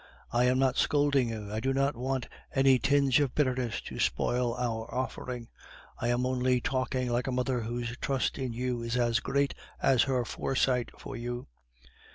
I am not scolding you; I do not want any tinge of bitterness to spoil our offering. I am only talking like a mother whose trust in you is as great as her foresight for you.